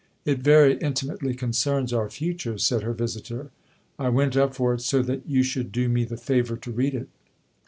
" It very intimately concerns our future," said her visitor. " I went up for it so that you should do me the favour to read it."